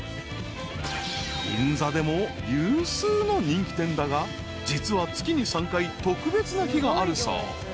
［銀座でも有数の人気店だが実は月に３回特別な日があるそう］